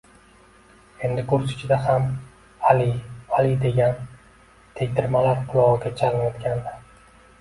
Endi kurs ichida ham Ali, Ali degan tegdirmalar qulog`iga chalinayotgandi